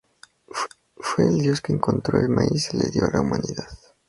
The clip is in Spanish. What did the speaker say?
Fue el Dios que encontró el maíz y lo dio a la humanidad.